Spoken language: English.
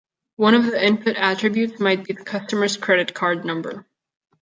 One of the input attributes might be the customer's credit card number.